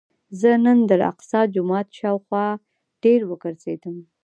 زه نن د الاقصی جومات شاوخوا ډېر وګرځېدم.